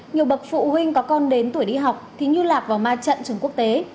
nhiều bậc phụ huynh có con đến tuổi đi học thì như lạc vào ma trận trường quốc tế